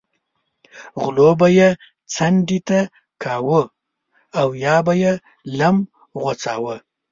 غلو به یې څنډې ته کاوه او یا به یې لم غوڅاوه.